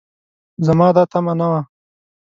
زما دا تمعه نه وه